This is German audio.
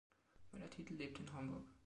Möller-Titel lebt in Hamburg.